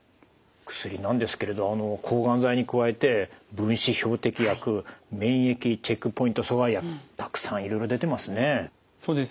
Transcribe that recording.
薬なんですけれど抗がん剤に加えて分子標的薬免疫チェックポイント阻害薬たくさんいろいろ出てますね。